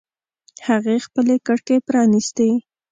هغې خپلې کړکۍ پرانیستې